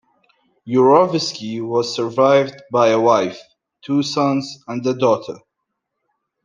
Yurovsky was survived by a wife, two sons, and a daughter.